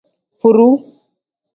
Furuu.